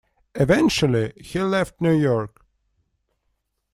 Eventually, he left New York.